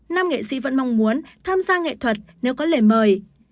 nam nghệ sĩ vẫn mong muốn tham gia nghệ thuật nếu có lời mời